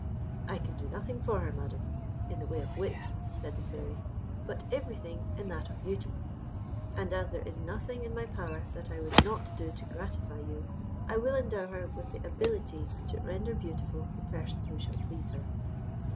"I can do nothing for her, Madam, in the way of wit," said the Fairy, "but everything in that of beauty; and as there is nothing in my power that I would not do to gratify you, I will endow her with the ability to render beautiful the person who shall please her."